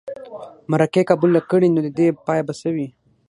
مرکې قبوله کړه نو د دې پای به څه وي.